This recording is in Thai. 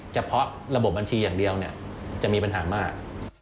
เฉพาะระบบบัญชีอย่างเดียวจะมีปัญหามาก